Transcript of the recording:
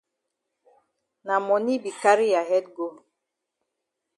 Na moni be carry ya head go.